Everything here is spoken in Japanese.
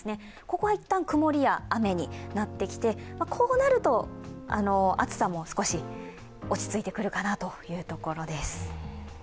ここは一旦曇りや雨になってきて、こうなると暑さも少し落ち着いてくるかなというところです。